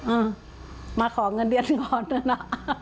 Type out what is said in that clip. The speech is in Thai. อืมมาขอเงินเดียนก่อนนะฮะ